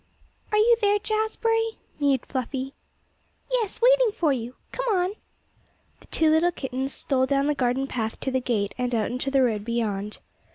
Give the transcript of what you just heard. "Are you there, Jazbury?" mewed Fluffy. "Yes; waiting for you. Come on!" The two little kittens stole down the garden path to the gate, and out into the road beyond.